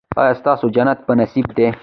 ایا ستاسو جنت په نصیب دی؟